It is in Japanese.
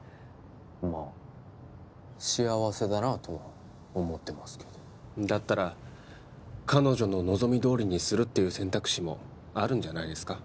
まあ幸せだなとは思ってますけどだったら彼女の望みどおりにするっていう選択肢もあるんじゃないですか